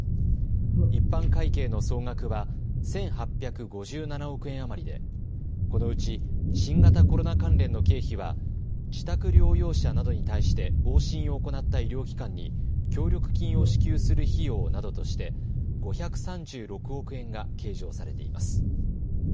一般会計の総額は１８５７億円余りでこのうち新型コロナ関連の経費は自宅療養者などに対して往診を行った医療機関に協力金を支給する費用などとして５３６億円が計上されています。